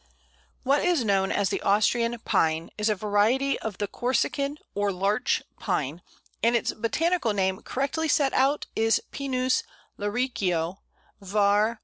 What is known as the Austrian Pine is a variety of the Corsican or Larch Pine, and its botanical name correctly set out is Pinus laricio, var.